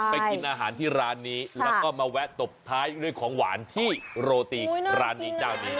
กินอาหารที่ร้านนี้แล้วก็มาแวะตบท้ายด้วยของหวานที่โรตีร้านนี้เจ้านี้